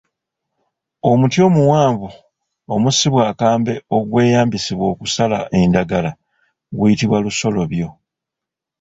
Omuti omuwanvu omussibwa akambe ogweyambisibwa okusala endagala guyitibwa Lusolobyo.